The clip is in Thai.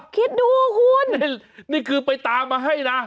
คิดดูคุณนี่คือไปตามมาให้นะ